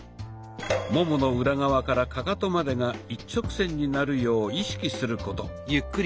ももの裏側からカカトまでが一直線になるよう意識すること。